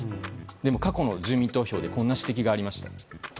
でも過去の住民投票でこんなことがありました。